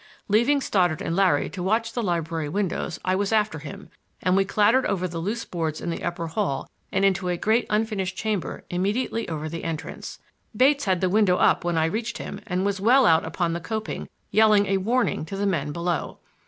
Leaving Stoddard and Larry to watch the library windows, I was after him, and we clattered over the loose boards in the upper hall and into a great unfinished chamber immediately over the entrance. Bates had the window up when I reached him and was well out upon the coping, yelling a warning to the men below.